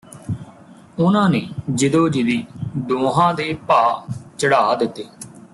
ਉਨ੍ਹਾਂ ਨੇ ਜਿਦੋ ਜਿਦੀ ਦੋਹਾਂ ਦੇ ਭਾਅ ਚੜ੍ਹਾ ਦਿੱਤੇ